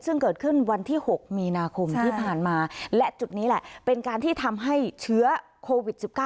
ซึ่งเกิดขึ้นวันที่๖มีนาคมที่ผ่านมาและจุดนี้แหละเป็นการที่ทำให้เชื้อโควิด๑๙